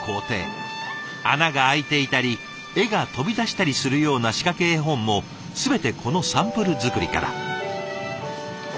穴が開いていたり絵が飛び出したりするような仕掛け絵本も全てこのサンプル作りから。